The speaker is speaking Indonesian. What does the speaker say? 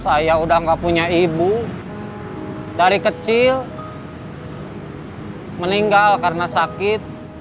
saya udah gak punya ibu dari kecil meninggal karena sakit